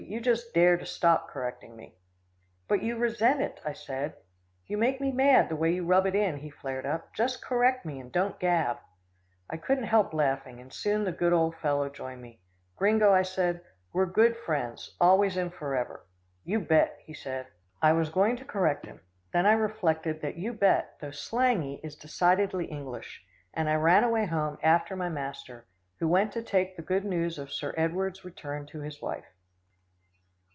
"You just dare to stop correcting me." "But you resent it," I said. "You make me mad, the way you rub it in," he flared up. "Just correct me, and don't gab." I couldn't help laughing, and soon the good old fellow joined me. "Gringo," I said, "we're good friends always and forever." "You bet!" he said. I was going to correct him, then I reflected that "You bet" though slangy is decidedly English, and I ran away home after my master, who went to take the good news of Sir Edward's return to his wife.